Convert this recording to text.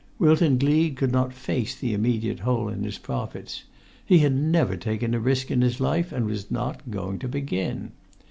Wilton Gleed could not face the immediate hole in his profits. He had never taken a risk in his life, and was not going to begin.